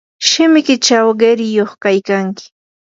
shimikiychaw qiriyuq kaykanki.